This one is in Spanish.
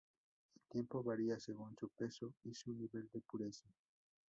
El tiempo varía según su peso y su nivel de pureza.